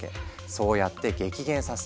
そうやって激減させ